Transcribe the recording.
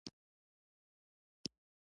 نعماني صاحب غلى و.